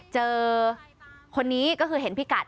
เจอคนนี้ก็คือเห็นพี่กัด